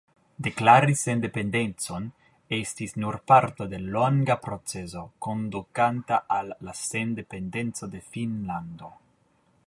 Deklari sendependecon estis nur parto de longa procezo kondukanta al la sendependeco de Finnlando.